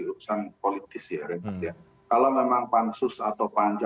urusan politis ya kalau memang pansus atau panja